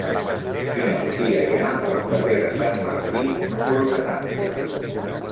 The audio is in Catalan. Quina botiga hi ha al carrer de Sant Martí número setanta?